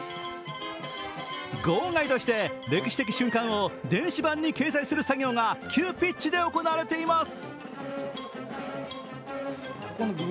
号外として歴史的瞬間を電子版に掲載する作業が急ピッチで行われています。